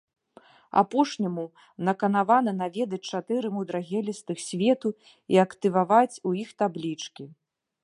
Апошняму наканавана наведаць чатыры мудрагелістых свету і актываваць у іх таблічкі.